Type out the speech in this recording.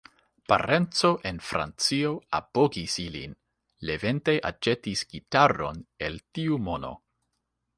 Parenco en Francio apogis ilin, Levente aĉetis gitaron el tiu mono.